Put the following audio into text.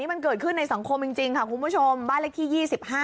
มาห้องน้ำ